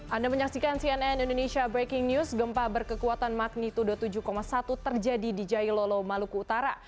anda menyaksikan cnn indonesia breaking news gempa berkekuatan magnitudo tujuh satu terjadi di jailolo maluku utara